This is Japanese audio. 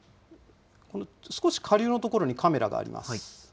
少し下流の所にカメラがあります。